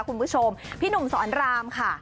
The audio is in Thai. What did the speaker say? คุณผู้ชมพี่หนุ่มสอนรามค่ะ